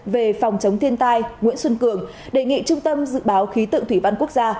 về phòng chống thiên tai nguyễn xuân cường đề nghị trung tâm dự báo khí tượng thủy văn quốc gia